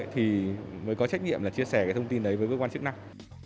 thì mới có trách nhiệm chia sẻ thông tin đấy với cơ quan chức năng